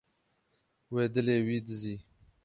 Wê dilê wî dizî.